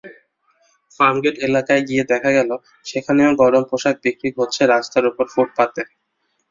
ফার্মগেট এলাকায় গিয়ে দেখা গেল, সেখানেও গরম পোশাক বিক্রি হচ্ছে রাস্তার ওপর ফুটপাতে।